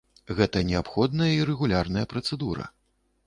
Гэта неабходная і рэгулярная працэдура.